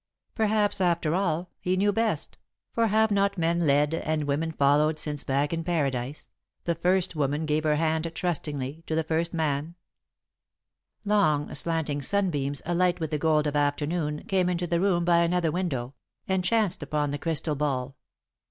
Perhaps, after all, he knew best, for have not men led and women followed since, back in Paradise, the First Woman gave her hand trustingly to the First Man? [Sidenote: Visions in the Crystal Ball] Long, slanting sunbeams, alight with the gold of afternoon, came into the room by another window, and chanced upon the crystal ball.